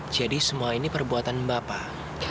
jadi semua ini perbuatan bapak